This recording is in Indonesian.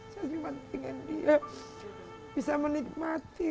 saya cuma ingin dia bisa menikmati